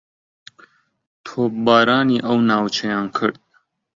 تۆپبارانی ئەو ناوچەیان کرد